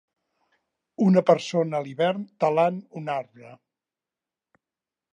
Una persona a l'hivern talant un arbre.